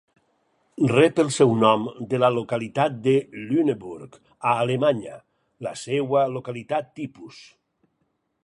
Rep el seu nom de la localitat de Lüneburg, a Alemanya, la seva localitat tipus.